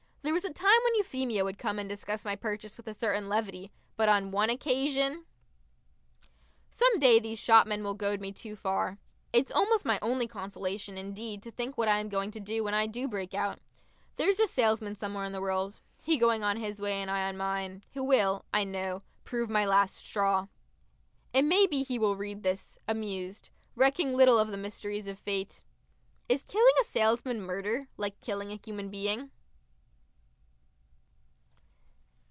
There was a time when Euphemia would come and discuss my purchase with a certain levity, but on one occasion.... Some day these shopmen will goad me too far. It's almost my only consolation, indeed, to think what I am going to do when I do break out. There is a salesman somewhere in the world, he going on his way and I on mine, who will, I know, prove my last straw. It may be he will read this amused recking little of the mysteries of fate.... Is killing a salesman murder, like killing a human being?